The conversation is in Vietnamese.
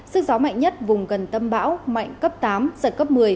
sức gió mạnh nhất vùng gần tâm bão mạnh cấp tám giật cấp một mươi